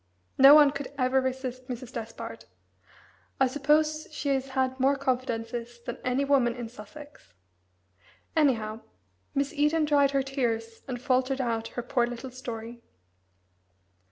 No one could ever resist Mrs. Despard I suppose she has had more confidences than any woman in Sussex. Anyhow, Miss Eden dried her tears and faltered out her poor little story.